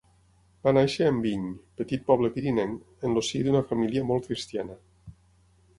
Va néixer a Enviny, petit poble pirinenc, en el si d'una família molt cristiana.